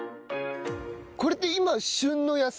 これって今。